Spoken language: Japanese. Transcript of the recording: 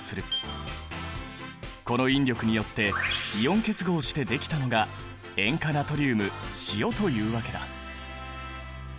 この引力によってイオン結合してできたのが塩化ナトリウム塩というわけだ。